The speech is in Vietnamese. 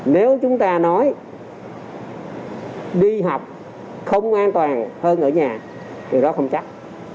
nếu chúng ta nói đi học không an toàn hơn ở nhà điều đó không chắc